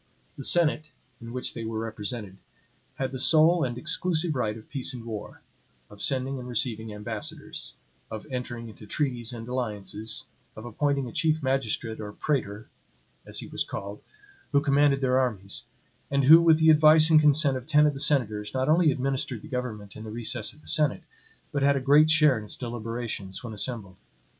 The senate, in which they were represented, had the sole and exclusive right of peace and war; of sending and receiving ambassadors; of entering into treaties and alliances; of appointing a chief magistrate or praetor, as he was called, who commanded their armies, and who, with the advice and consent of ten of the senators, not only administered the government in the recess of the senate, but had a great share in its deliberations, when assembled.